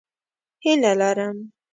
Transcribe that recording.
هیله لرم